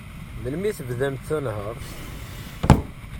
Melmi i tebdamt tanhert?